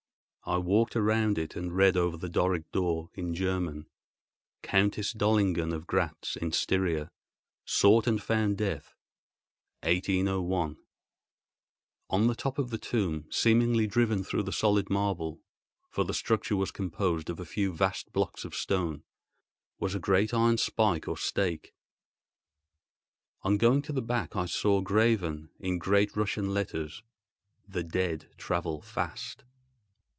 I walked around it, and read, over the Doric door, in German: COUNTESS DOLINGEN OF GRATZ IN STYRIA SOUGHT AND FOUND DEATH 1801 On the top of the tomb, seemingly driven through the solid marble—for the structure was composed of a few vast blocks of stone—was a great iron spike or stake. On going to the back I saw, graven in great Russian letters: "The dead travel fast."